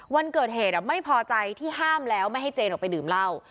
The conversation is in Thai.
วันเกิดเหตุไม่พอใจที่ห้ามแล้วไม่ให้เจนออกไปดื่มเหล้า